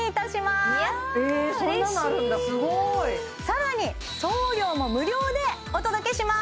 すごいさらに送料も無料でお届けします